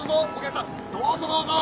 どうぞどうぞ。